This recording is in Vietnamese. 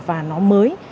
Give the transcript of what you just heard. và nó mới